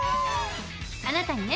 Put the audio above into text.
あなたにね